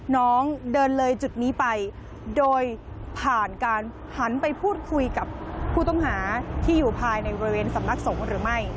น้องเดินเลยจุดนี้ไปโดยผ่านการหันไปพูดคุยกับผู้ต้องหาที่อยู่ภายในบริเวณสำนักสงฆ์หรือไม่